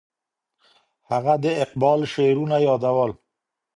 هغه د اقبال شعرونه یادول.